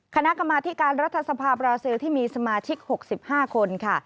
คณะกรรมาธิการรัฐสภาบราซิลที่มีสมาชิก๖๕คนค่ะ